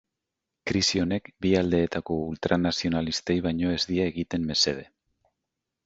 Krisi honek bi aldeetako ultranazionalistei baino ez die egiten mesede.